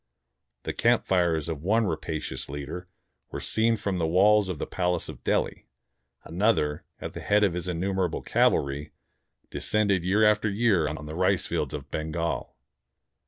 The camp fires of one rapacious leader were seen from the walls of the palace of Delhi. Another, at 145 INDIA the head of his innumerable cavalry, descended year after year on the ricefields of Bengal.